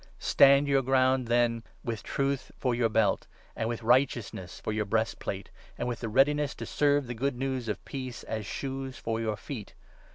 Stand your ground, then, ' with truth for your belt,' and ' with righteousness for your breast plate,' and with the readiness to serve the Good News of Peace as shoes for your feet.